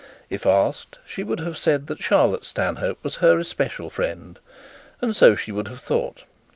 If asked, she would have said that Charlotte Stanhope was her special friend, and so she would have thought.